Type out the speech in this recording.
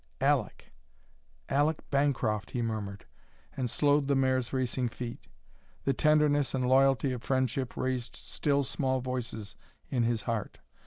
"Aleck! Aleck Bancroft!" he murmured, and slowed the mare's racing feet. The tenderness and loyalty of friendship raised still, small voices in his heart.